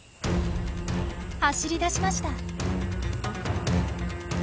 走りだしました。